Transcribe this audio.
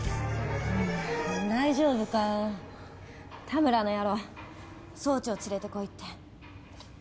田村の野郎総長連れてこいって。